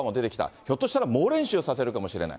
ひょっとしたら猛練習させるかもしれない。